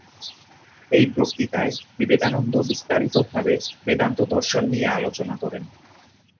এই বক্তৃতায় বিবেকানন্দ বিস্তারিতভাবে বেদান্ত দর্শন নিয়ে আলোচনা করেন।